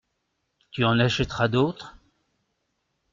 Tu en achèteras d’autres ?